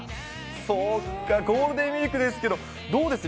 そっか、ゴールデンウィークですけれども、どうです？